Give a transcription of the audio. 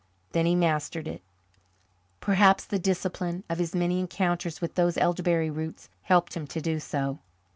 Then he mastered it. Perhaps the discipline of his many encounters with those elderberry roots helped him to do so.